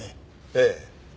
ええ。